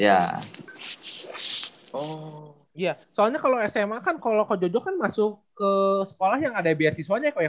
iya soalnya kalau sma kan kalau ko jojo kan masuk ke sekolah yang ada beasiswanya kok ya